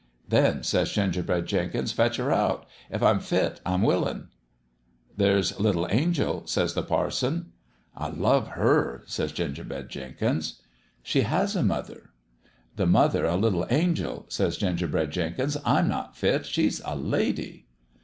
"'Then,' says Gingerbread Jenkins, ' fetch her out. If I'm fit, I'm willinV "' There's little Angel,' says the parson. "' I love her,' says Gingerbread Jenkins. "' She has a mother.' "' The mother o' little Angel 1 ' says Ginger bread Jenkins. ' I'm not fit. She's a lady.'